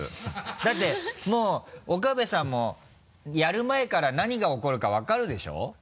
だってもう岡部さんもやる前から何が起こるか分かるでしょ？